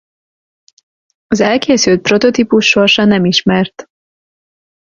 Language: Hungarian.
Az elkészült prototípus sorsa nem ismert.